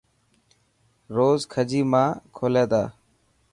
روز کجي مان کولي تا.